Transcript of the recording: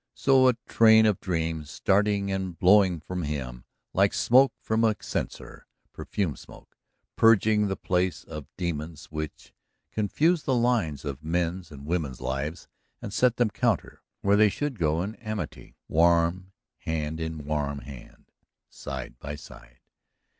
So, a train of dreams starting and blowing from him, like smoke from a censer, perfumed smoke, purging the place of demons which confuse the lines of men's and women's lives and set them counter where they should go in amity, warm hand in warm hand, side by side.